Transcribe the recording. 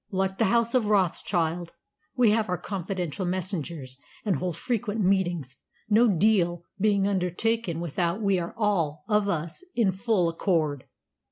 Like the house of Rothschild, we have our confidential messengers, and hold frequent meetings, no 'deal' being undertaken without we are all of us in full accord.